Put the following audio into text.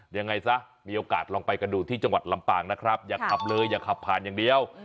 ยังไงซะมีโอกาสลองไปกันดูที่จังหวัดลำปางนะครับอย่าขับเลยอย่าขับผ่านอย่างเดียว